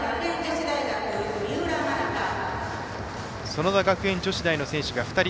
園田学園女子大の選手が２人。